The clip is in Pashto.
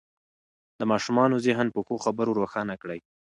د ماشومانو ذهن په ښو خبرو روښانه کړئ.